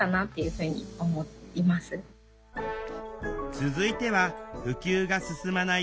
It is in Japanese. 続いては普及が進まない